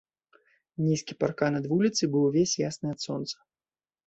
Нізкі паркан ад вуліцы быў увесь ясны ад сонца.